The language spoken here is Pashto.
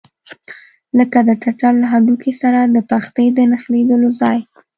لکه د ټټر له هډوکي سره د پښتۍ د نښلېدلو ځای.